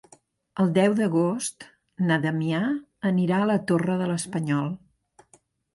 El deu d'agost na Damià anirà a la Torre de l'Espanyol.